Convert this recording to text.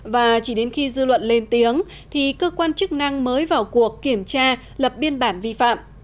và chỉ đến khi dư luận lên tiếng thì cơ quan chức năng mới vào cuộc kiểm tra lập biên bản vi phạm